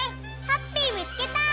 ハッピーみつけた！